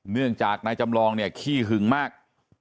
เนื่องจากนายจำลองเนี่ยขี้หึงมาก